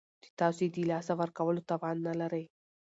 چې تاسو یې د لاسه ورکولو توان نلرئ